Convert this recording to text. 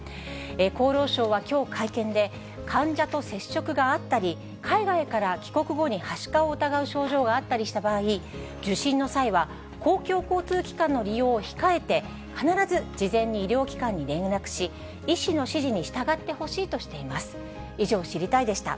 厚労省はきょう、会見で、患者と接触があったり、海外から帰国後に、はしかを疑う症状があったりした場合、受診の際は公共交通機関の利用を控えて、必ず事前に医療機関に連絡し、医師の指示に従ってほしいとしています。